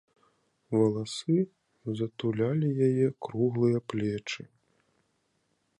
Валасы затулялі яе круглыя плечы.